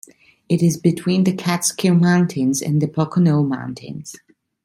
It is between the Catskill Mountains and the Pocono Mountains.